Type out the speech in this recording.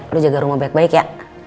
aduh jaga rumah baik baik ya